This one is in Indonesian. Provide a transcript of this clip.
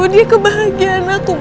dia kebahagiaan aku ma